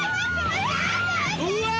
うわ！